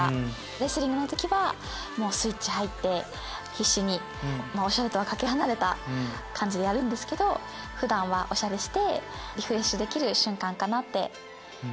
レスリングの時はもうスイッチ入って必死におしゃれとはかけ離れた感じでやるんですけど普段はおしゃれしてリフレッシュできる瞬間かなって。